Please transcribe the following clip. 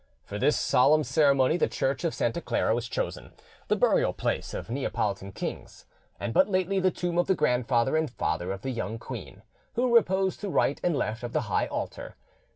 For this solemn ceremony the church of Saint Clara was chosen, the burial place of Neapolitan kings, and but lately the tomb of the grandfather and father of the young queen, who reposed to right and left of the high altar.